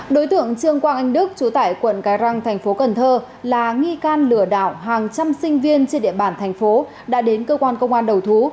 đối tượng trương quang anh đức chú tải quận cái răng thành phố cần thơ là nghi can lừa đảo hàng trăm sinh viên trên địa bàn thành phố đã đến cơ quan công an đầu thú